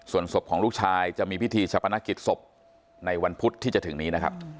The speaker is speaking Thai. ส่วนศพของลูกชายจะมีพิธีชะพนักกิจศพในวันพุธที่จะถึงนี้นะครับ